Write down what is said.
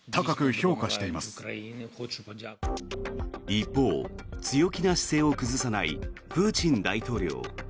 一方、強気な姿勢を崩さないプーチン大統領。